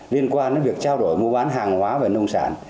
liên quan đến việc trao đổi mua bán hàng hóa và nông sản